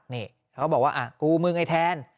นี่เขาก็บอกว่ากูมึงไอ้แทน